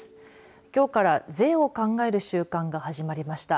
きょうから税を考える週間が始まりました。